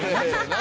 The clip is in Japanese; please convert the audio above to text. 何？